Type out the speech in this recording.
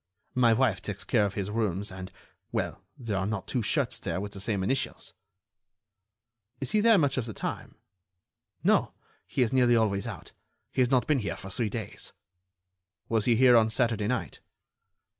My wife takes care of his rooms, and ... well, there are not two shirts there with the same initials." "Is he there much of the time?" "No; he is nearly always out. He has not been here for three days." "Was he here on Saturday night?"